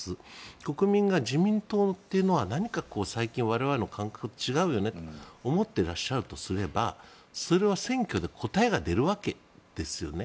国民が自民党というのは何か最近我々の感覚とは違うよねと思っていらっしゃるとすればそれは選挙で答えが出るわけですよね。